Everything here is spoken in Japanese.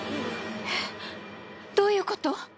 えっどういうこと？